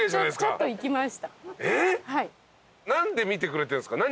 何で見てくれてんすか？